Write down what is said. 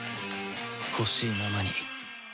ほしいままに